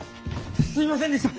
すいませんでしたッ。